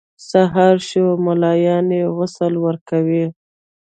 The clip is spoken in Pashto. سهار شو ملایان یې غسل ورکوي.